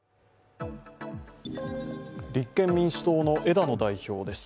立憲民主党の枝野代表です。